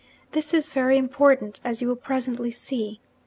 This is very important, as you will presently see.